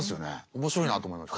面白いなと思いました。